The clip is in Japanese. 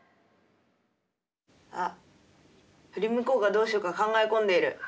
あっ振り向こうかどうしようか考え込んでいる。